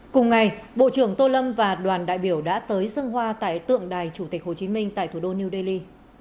cùng ngày bộ trưởng tô lâm và đoàn đại biểu đã tới dân hoa tại tượng đài chủ tịch hồ chí minh tại thủ đô new delhi